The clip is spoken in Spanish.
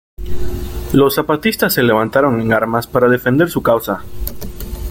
Los zapatistas se levantaron en armas para defender su causa.